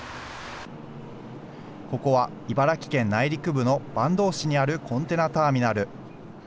ここは茨城県内陸部の坂東市にあるコンテナターミナル。